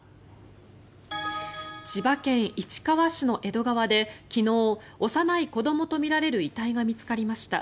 千葉県市川市の江戸川で昨日幼い子どもとみられる遺体が見つかりました。